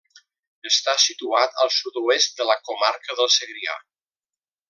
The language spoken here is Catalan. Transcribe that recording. Està situat al Sud-oest de la comarca del Segrià.